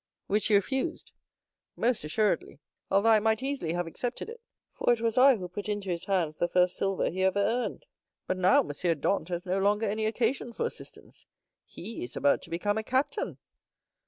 "Which you refused?" "Most assuredly; although I might easily have accepted it, for it was I who put into his hands the first silver he ever earned; but now M. Dantès has no longer any occasion for assistance—he is about to become a captain."